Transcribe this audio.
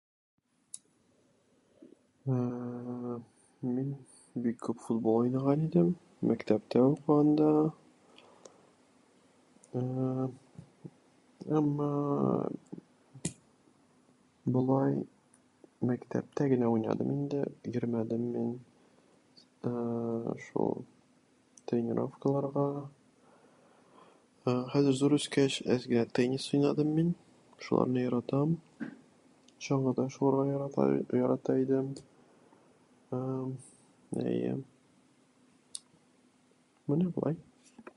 Ә-ә-ә мин бик күп футбол уйный идем, мәктептә укында, ә-ә әммма болай мәктептә генә уйнадым инде, йөрмәдем мин ә-ә-ә шул ... тренировкаларга. Ә-ә хәзер зур үскәч әз генә теннис уйнадым мин, шуларны яратам, чыннан да шул ярата б- ярата идем. Ә-әм. Әйе. Менә болай.